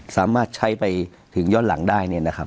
สามารถใช้ไปถึงย้อนหลังได้เนี่ยนะครับ